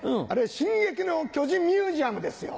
「進撃の巨人ミュージアム」ですよ。